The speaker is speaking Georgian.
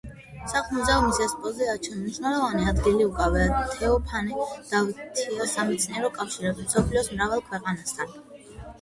სახლ-მუზეუმის ექსპოზიციაში მნიშვნელოვანი ადგილი უკავია თეოფანე დავითაიას სამეცნიერო კავშირებს მსოფლიოს მრავალ ქვეყანასთან.